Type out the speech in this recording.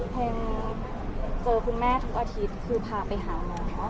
เพลงเจอคุณแม่ทุกอาทิตย์คือพาไปหาหมอ